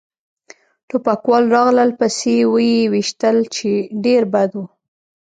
ټوپکوال راغلل پسې و يې ویشتل، چې ډېر بد و.